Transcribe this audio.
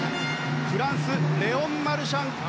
フランス、レオン・マルシャン。